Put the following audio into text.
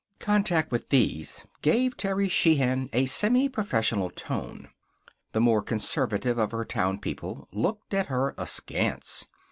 Contact with these gave Terry Sheehan a semiprofessional tone. The more conservative of her townspeople looked at her askance.